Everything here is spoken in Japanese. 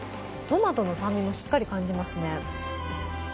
トマトの酸味もしっかり感じますね